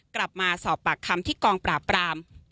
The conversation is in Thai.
กลับมาสอบปากคำที่กองปราบปราม